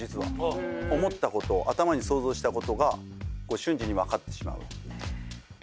思ったことを頭に想像したことが瞬時に分かってしまう。